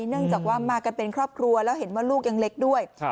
เนื่องจากว่ามากันเป็นครอบครัวแล้วเห็นว่าลูกยังเล็กด้วย